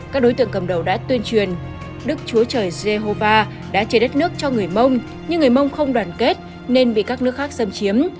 các đối tượng cầm đầu đã tuyên truyền đức chúa trời giê hô va đã chế đất nước cho người mông nhưng người mông không đoàn kết nên bị các nước khác xâm chiếm